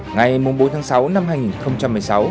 ngày bốn tháng sáu năm hai nghìn một mươi sáu